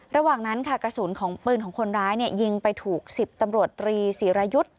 ระหว่างนั้นค่ะกระสุนของปืนของคนร้ายยิงไปถูก๑๐ตำรวจตรีศิรายุทธ์